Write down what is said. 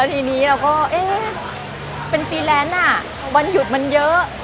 ทีนี้เราก็เอ๊ะเป็นฟรีแลนซ์วันหยุดมันเยอะ